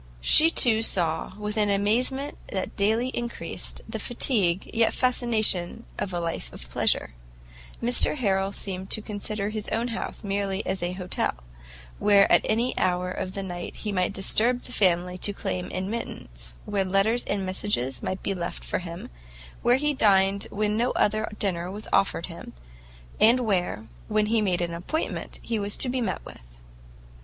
She saw, too, with an amazement that daily increased, the fatigue, yet fascination of a life of pleasure: Mr Harrel seemed to consider his own house merely as an hotel, where at any hour of the night he might disturb the family to claim admittance, where letters and messages might be left for him, where he dined when no other dinner was offered him, and where, when he made an appointment, he was to be met with.